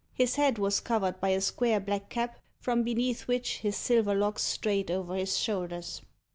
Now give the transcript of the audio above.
His head was covered by a square black cap, from beneath which his silver locks strayed over his shoulders.